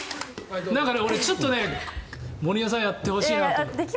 俺、ちょっとね、森山さんやってほしいなって。